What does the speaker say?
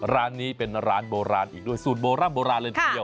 ร้านนี้เป็นร้านโบราณอีกด้วยสูตรโบร่ำโบราณเลยทีเดียว